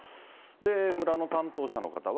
村の担当者の方は。